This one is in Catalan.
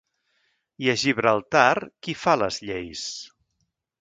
I a Gibraltar, qui fa les lleis?